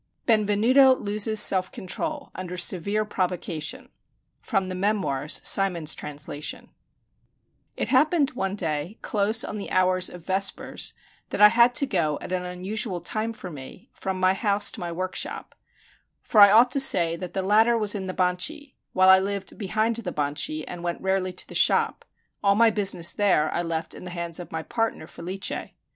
BENVENUTO LOSES SELF CONTROL UNDER SEVERE PROVOCATION From the 'Memoirs': Symonds's Translation It happened one day, close on the hours of vespers, that I had to go, at an unusual time for me, from my house to my workshop; for I ought to say that the latter was in the Banchi, while I lived behind the Banchi, and went rarely to the shop; all my business there I left in the hands of my partner, Felice.